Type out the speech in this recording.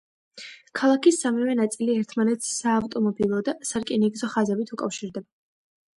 ქალაქის სამივე ნაწილი ერთმანეთს საავტომობილო და სარკინიგზო ხაზებით უკავშირდება.